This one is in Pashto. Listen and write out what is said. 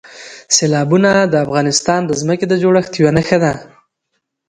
سیلابونه د افغانستان د ځمکې د جوړښت یوه نښه ده.